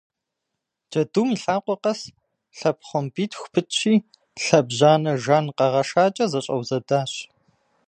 Джэдум и лъакъуэ къэс лъэпхъуамбитху пытщи лъэбжьанэ жан къэгъэшакӏэ зэщӏэузэдащ.